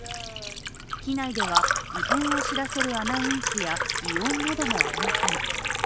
機内では、異変を知らせるアナウンスや異音などもありません。